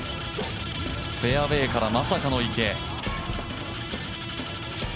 フェアウエーからまさかの池。